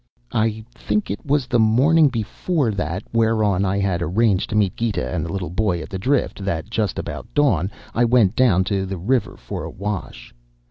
"I think it was the morning before that whereon I had arranged to meet Gita and the little boy at the drift that just about dawn I went down to the river for a wash.